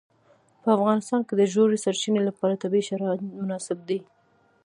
په افغانستان کې د ژورې سرچینې لپاره طبیعي شرایط مناسب دي.